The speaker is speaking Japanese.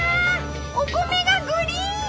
お米がグリーン！